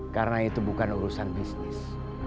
karena itu bukan urusan bisnis